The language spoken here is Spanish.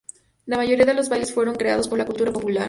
La mayoría de los bailes fueron creados por la cultura popular.